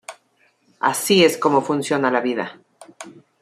Así es como funciona la vida...